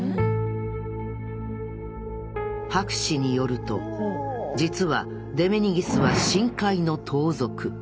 博士によると実はデメニギスは深海の盗賊。